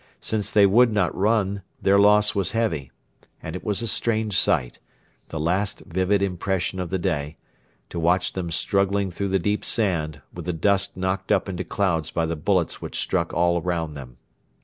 Since they would not run their loss was heavy, and it was a strange sight the last vivid impression of the day to watch them struggling through the deep sand, with the dust knocked up into clouds by the bullets which struck all round them.